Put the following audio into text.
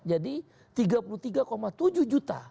tiga puluh tiga tujuh juta